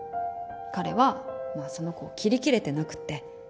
彼はまあその子を切りきれてなくて。